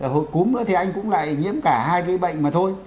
hồi cúm nữa thì anh cũng lại nhiễm cả hai cái bệnh mà thôi